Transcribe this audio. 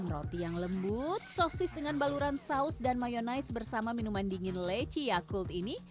roti yang lembut sosis dengan baluran saus dan mayonaise bersama minuman dingin leci yakult ini